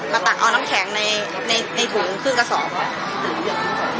ตักเอาน้ำแข็งในถุงครึ่งกระสอบค่ะ